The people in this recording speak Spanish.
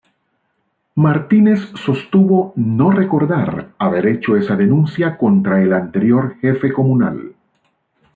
Martínez sostuvo "no recordar" haber hecho esa denuncia contra el anterior jefe comunal.